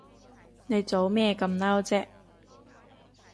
你做咩咁嬲啫？